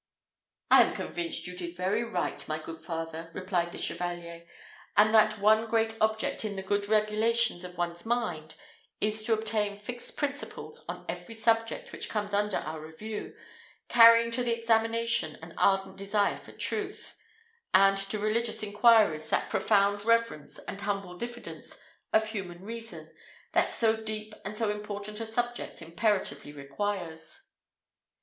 "I am convinced you did very right, my good father," replied the Chevalier, "and that one great object in the good regulations of one's mind is to obtain fixed principles on every subject which comes under our review, carrying to the examination an ardent desire for truth; and to religious inquiries, that profound reverence and humble diffidence of human reason, that so deep and so important a subject imperatively requires."